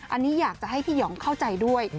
อันนี้อยากจะให้พี่หยองเข้าใจด้วย